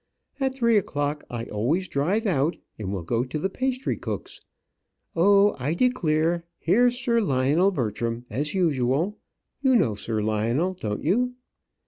At three o'clock I always drive out, and we'll go to the pastrycook's. Oh, I declare, here's Sir Lionel Bertram, as usual. You know Sir Lionel, don't you?"